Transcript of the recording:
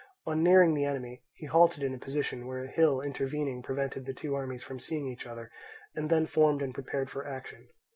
On nearing the enemy, he halted in a position where a hill intervening prevented the two armies from seeing each other, and then formed and prepared for action.